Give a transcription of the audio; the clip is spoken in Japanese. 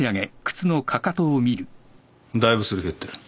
だいぶすり減ってる。